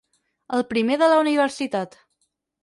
El primer de la universitat.